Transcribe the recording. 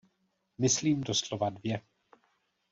Myslím doslova dvě.